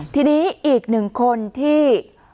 ทีนี้อีกหนึ่งคนที่